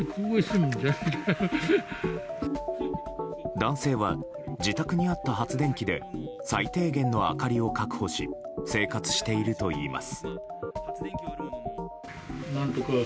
男性は、自宅にあった発電機で最低限の明かりを確保し生活しているといいます。